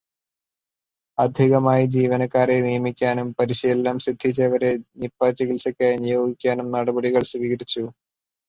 അധികമായി ജീവനക്കാരെ നിയമിക്കാനും പരിശീലനം സിദ്ധിച്ചവരെ നിപ ചികിത്സയ്ക്കായി നിയോഗിക്കാനും നടപടികള് സ്വീകരിച്ചു.